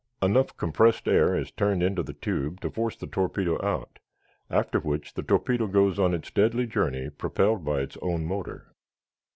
Enough compressed air is turned into the tube to force the torpedo out, after which the torpedo goes on its deadly journey propelled by its own motor.